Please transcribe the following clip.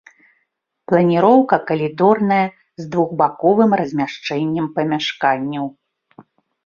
Планіроўка калідорная з двухбаковым размяшчэннем памяшканняў.